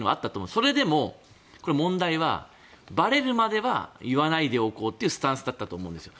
それでも問題はばれるまでは言わないでおこうというスタンスだったと思うんですよ。